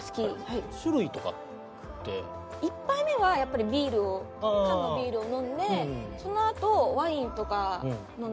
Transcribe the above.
１杯目はやっぱりビールを缶のビールを飲んでそのあとワインとか飲んだり。